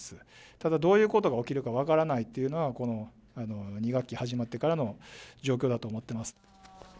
ただ、どういうことが起きるか分からないというのが、この２学期始まってからの状況だと思ってます。